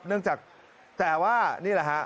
เนื่องจากแต่ว่านี่แหละฮะ